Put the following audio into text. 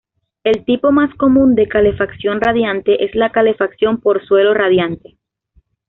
El tipo más común de calefacción radiante es la calefacción por suelo radiante.